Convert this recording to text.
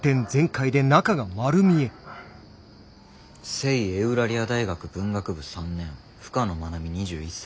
聖エウラリア大学文学部３年深野愛美２１歳。